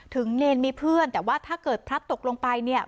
เนรมีเพื่อนแต่ว่าถ้าเกิดพลัดตกลงไปเนี่ย